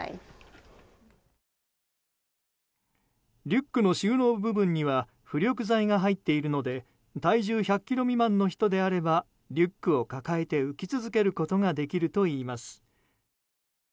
リュックの収納部分には浮力材が入っているので体重１００ｋｇ未満の人であればリュックを抱えて浮き続けることができるといいます。